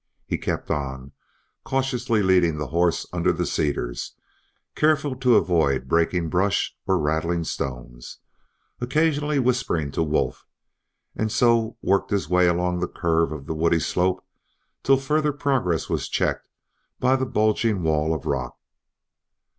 He kept on, cautiously leading the horse under the cedars, careful to avoid breaking brush or rattling stones, occasionally whispering to Wolf; and so worked his way along the curve of the woody slope till further progress was checked by the bulging wall of rock.